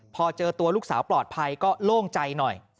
พอเจอตัวลูกสาวปลอดภัยก็โล่งใจหน่อย